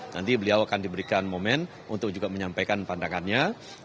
nanti beliau akan diberikan momen untuk juga menyampaikan pandangannya